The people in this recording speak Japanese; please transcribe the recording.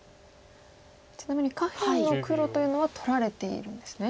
ちなみに下辺の黒というのは取られているんですね。